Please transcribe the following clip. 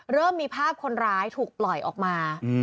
เริ่มมีภาพคนร้ายถูกปล่อยออกมา